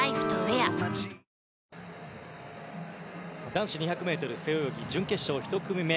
男子２００ｍ背泳ぎ準決勝１組目。